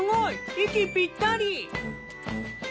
息ぴったり！